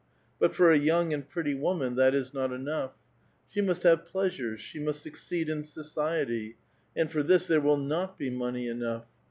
But for a young and l^retty woman that is not enough ! '*She must have pleasures; she must succeed in society; «knd for this there will not be money enough.